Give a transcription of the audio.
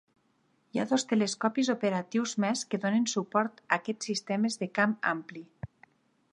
Hi ha dos telescopis operatius més que donen suport a aquests sistemes de camp ampli.